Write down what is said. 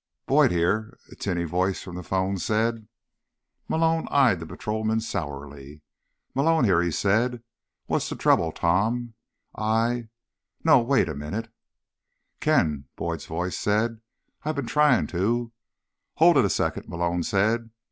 "Boyd here," a tinny voice from the phone said. Malone eyed the patrolman sourly. "Malone here," he said. "What's the trouble, Tom? I—No, wait a minute." "Ken!" Boyd's voice said. "I've been trying to—" "Hold it a second," Malone said.